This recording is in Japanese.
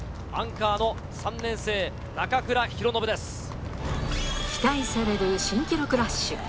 アンカーの３年生、期待される新記録ラッシュ。